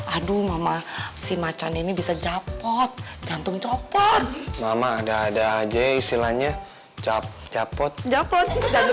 aduh mama si macan ini bisa capot jantung copot mama ada ada aja istilahnya capot capot